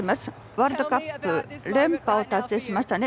ワールドカップ連覇を達成しましたね。